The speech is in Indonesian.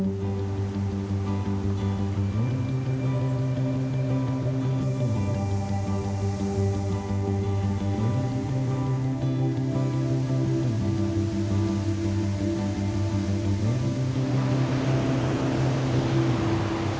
retap retap metung alam